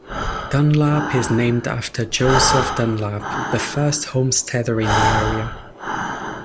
Dunlap is named after Joseph Dunlap, the first homesteader in the area.